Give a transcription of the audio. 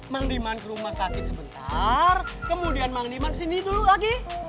mang diman ke rumah sakit sebentar kemudian mang diman disini dulu lagi